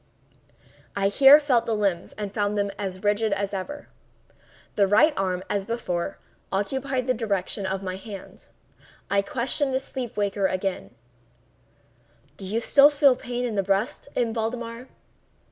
I here felt the limbs and found them as rigid as ever. The right arm, as before, obeyed the direction of my hand. I questioned the sleep waker again: "Do you still feel pain in the breast, M. Valdemar?"